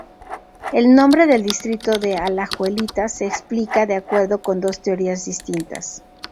El nombre del distrito de Alajuelita se explica de acuerdo con dos teorías distintas.